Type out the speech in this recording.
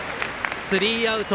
スリーアウト。